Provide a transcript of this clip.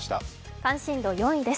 関心度４位です。